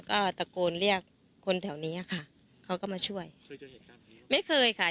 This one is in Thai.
ก็ตะโกนเรียกคนแถวนี้ค่ะเขาก็มาช่วยไม่เคยค่ะ